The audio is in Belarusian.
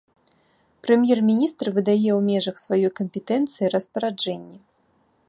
Прэм'ер-міністр выдае ў межах сваёй кампетэнцыі распараджэнні.